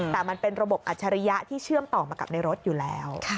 แต่มันเป็นระบบอัจฉริยะที่เชื่อมต่อมากับในรถอยู่แล้ว